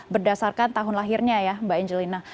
berdasarkan tahun lahirnya ya mbak angelina